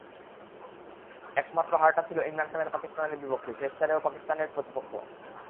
একমাত্র হারটা ছিল ইমরান খানের পাকিস্তানের বিপক্ষে, শেষ চারেও পাকিস্তানই প্রতিপক্ষ।